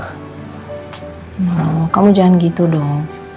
tsk noh kamu jangan gitu dong